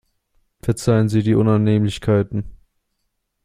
Verzeihen Sie die Unannehmlichkeiten.